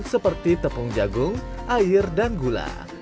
seperti tepung jagung air dan gula